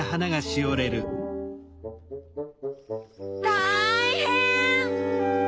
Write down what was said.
たいへん！